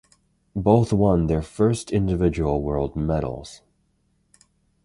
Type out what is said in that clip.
Both won their first individual World medals.